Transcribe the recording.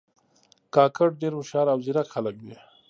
کاکړي ډېر هوښیار او زیرک خلک دي.